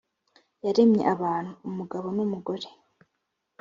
yaremye abantu umugabo n umugore